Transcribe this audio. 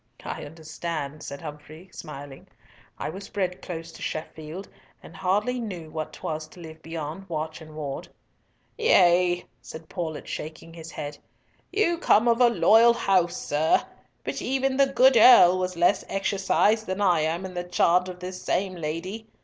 "I understand," said Humfrey, smiling. "I was bred close to Sheffield, and hardly knew what 'twas to live beyond watch and ward." "Yea!" said Paulett, shaking his head. "You come of a loyal house, sir; but even the good Earl was less exercised than I am in the charge of this same lady.